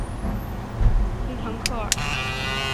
斯滕克尔。